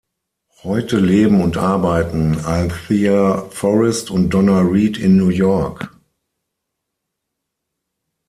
Heute leben und arbeiten Althea Forrest und Donna Reid in New York.